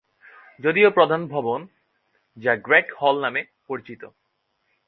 যদিও প্রধান ভবন, যা গ্রেট হল নামে পরিচিত।